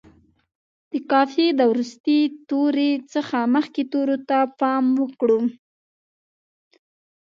د قافیې د وروستي توري څخه مخکې تورو ته پام وکړو.